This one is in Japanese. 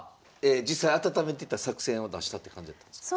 実際あたためてた作戦を出したって感じやったんですか？